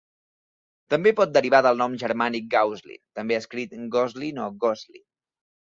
També pot derivar del nom germànic Gauzlin, també escrit Gozlin o Goslin.